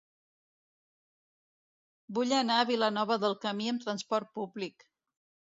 Vull anar a Vilanova del Camí amb trasport públic.